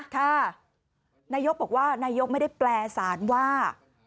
ค่ะนายกบอกว่านายกไม่ได้แปลสารว่า